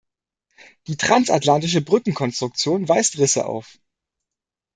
Die transatlantische Brückenkonstruktion weist Risse auf.